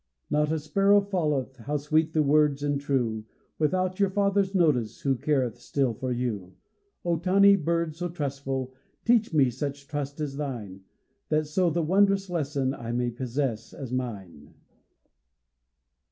"Not a sparrow falleth," How sweet the words and true "Without your Father's notice," Who careth still for you; O tiny bird, so trustful, Teach me such trust as thine, That so the wondrous lesson I may possess as mine.